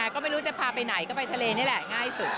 ก็ไม่รู้จะพาไปไหนก็ไปทะเลนี่แหละง่ายสุด